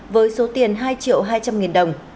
với số tiền hai triệu hai trăm linh nghìn đồng